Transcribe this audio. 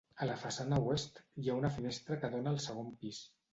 A la façana oest, hi ha una finestra que dóna al segon pis.